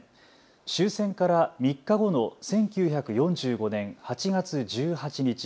終戦から３日後の１９４５年８月１８日。